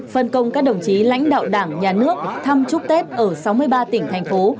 phân công các đồng chí lãnh đạo đảng nhà nước thăm chúc tết ở sáu mươi ba tỉnh thành phố